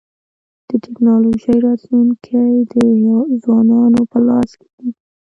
د ټکنالوژۍ راتلونکی د ځوانانو په لاس کي دی.